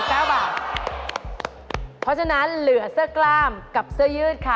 เพราะฉะนั้นเหลือเสื้อกล้ามกับเสื้อยืดค่ะ